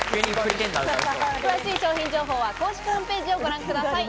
詳しい商品情報は公式ホームページをご覧ください。